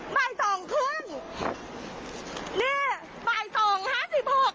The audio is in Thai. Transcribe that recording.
บ่ายสองครึ่งครับนี่บ่ายสองห้าสิบหก